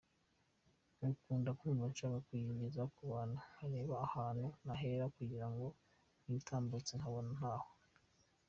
Nkakunda kumva nshaka kuyigeza ku bantu nkareba ahantu nahera kugira ngo nyitambutse nkabona ntaho.